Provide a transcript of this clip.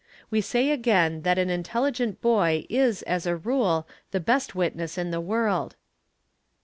We say Q gain that an intelligent boy is as a rule the best witness in the world.